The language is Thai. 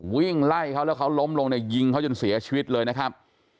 วิ่งไล่เขาแล้วเขาล้มลงเนี่ยยิงเขาจนเสียชีวิตเลยนะครับ